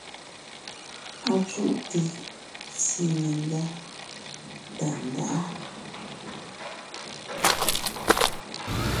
Acùʼte tsiŋe ndá Tàndáʼa.